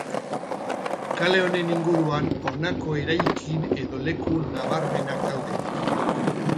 Kale honen inguruan honako eraikin edo leku nabarmenak daude.